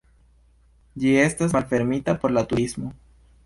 Ĝi estas malfermita por la turismo.